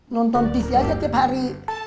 nonton tisya kecepari